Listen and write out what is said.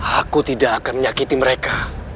aku tidak akan menyakiti mereka